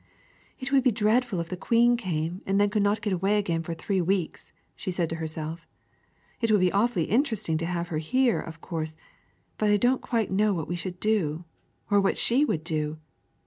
"It would be dreadful if the Queen came and then could not get away again for three weeks!" she said to herself. "It would be awfully interesting to have her here, of course but I don't quite know what we should do or what she would do!"